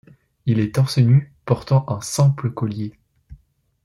Il est torse nu, portant un simple collier.